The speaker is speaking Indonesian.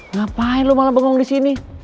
ngapain lo malam bengong di sini